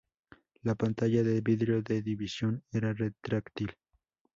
La pantalla de vidrio de división era retráctil.